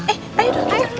eh tanya dulu